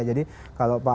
jadi kalau pak ahok misalnya